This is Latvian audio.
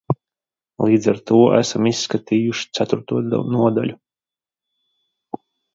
Līdz ar to esam izskatījuši ceturto nodaļu.